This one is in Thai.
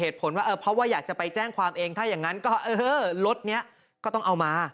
เหตุผลว่าเพราะว่าอยากจะไปแจ้งความเองถ้าอย่างนั้นก็เออรถนี้ก็ต้องเอามา